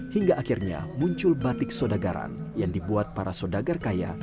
hingga akhirnya muncul batik sodagaran yang dibuat para sodagar kaya